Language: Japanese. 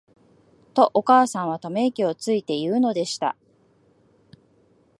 と、お母さんは溜息をついて言うのでした。